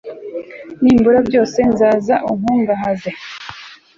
nimbura byose, nzaza unkungahaze